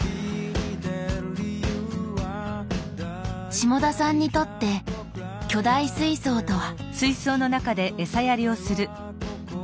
下田さんにとって巨大水槽とは。